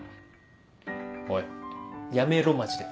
おいやめろマジで。